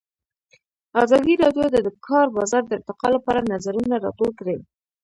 ازادي راډیو د د کار بازار د ارتقا لپاره نظرونه راټول کړي.